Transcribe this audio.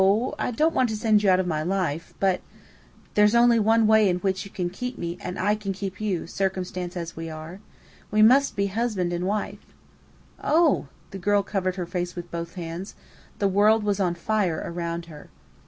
I don't want to send you out of my life. But " "There's only one way in which you can keep me and I can keep you circumstanced as we are. We must be husband and wife." "Oh!" The girl covered her face with both hands. The world was on fire around her.